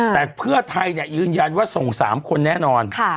แต่เพื่อไทยยืนยันว่าส่ง๓คนแน่นอน